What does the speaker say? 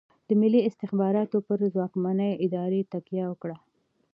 د ملي استخباراتو پر ځواکمنې ادارې تکیه وکړه.